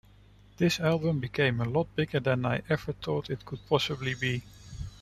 This album became a lot bigger than I ever thought it could possibly be.